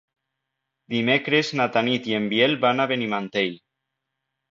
Dimecres na Tanit i en Biel van a Benimantell.